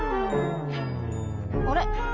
あれ？